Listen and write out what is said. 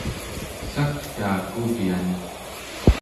sagtaa kuvyani